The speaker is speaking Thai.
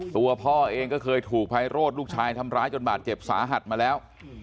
ตัวพ่อเองก็เคยถูกไพโรธลูกชายทำร้ายจนบาดเจ็บสาหัสมาแล้ว